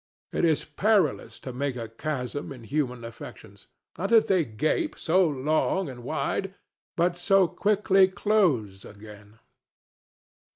It is perilous to make a chasm in human affections—not that they gape so long and wide, but so quickly close again.